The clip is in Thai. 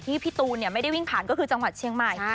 พี่ตูนไม่ได้วิ่งผ่านก็คือจังหวัดเชียงใหม่